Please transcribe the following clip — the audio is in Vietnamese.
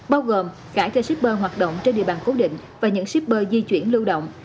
bao gồm khải cho shipper hoạt động trên địa bàn cố định và những shipper di chuyển lưu động